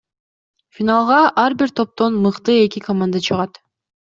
Финалга ар бир топтон мыкты эки команда чыгат.